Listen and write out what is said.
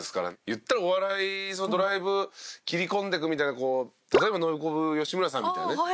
言ったらお笑いドライブ切り込んでいくみたいな例えばノブコブ吉村さんみたいなね。